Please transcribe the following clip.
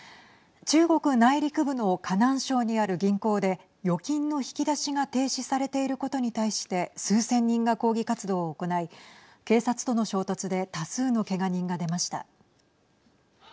中国内陸部の河南省にある銀行で預金の引き出しが停止されていることに対して数千人が抗議活動を行い警察との衝突で多数のけが人が出ました。